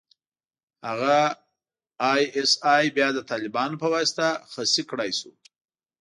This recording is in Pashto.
هغه ای اس ای بيا د طالبانو په واسطه خصي کړای شو.